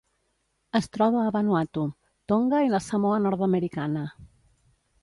Es troba a Vanuatu, Tonga i la Samoa Nord-americana.